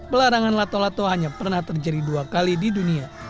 pelarangan lato lato hanya pernah terjadi dua kali di dunia